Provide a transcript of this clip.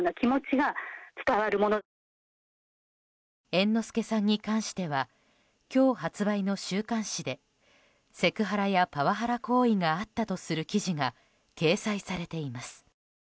猿之助さんに関しては今日発売の週刊誌でセクハラやパワハラ行為があったとする記事が掲載されています。